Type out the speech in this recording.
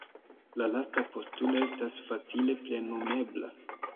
La lasta postulo estas facile plenumebla.